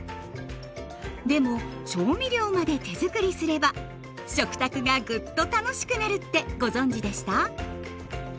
でも調味料まで手づくりすれば食卓がグッと楽しくなるってご存じでした？